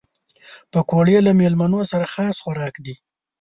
پکورې له مېلمنو سره خاص خوراک دي